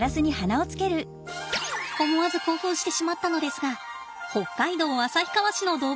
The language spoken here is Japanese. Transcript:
思わず興奮してしまったのですが北海道旭川市の動物園です。